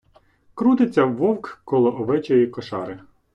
Крутиться вовк коло овечої кошари.